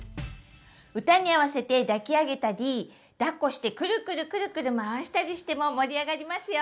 歌に合わせて抱き上げたりだっこしてくるくるくるくる回したりしても盛り上がりますよ！